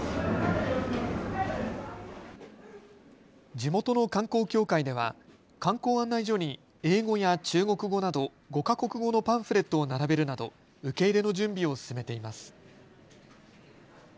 地元の観光協会では観光案内所に英語や中国語など５か国語のパンフレットを並べるなど受け入れの準備を進めています。